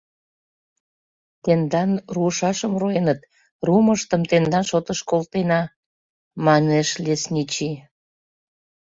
«Тендан руышашым руэныт, руымыштым тендан шотыш колтена», — манеш лесничий.